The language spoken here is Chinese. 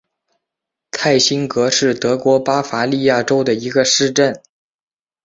泰辛格是德国巴伐利亚州的一个市镇。